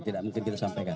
tidak mungkin kita sampaikan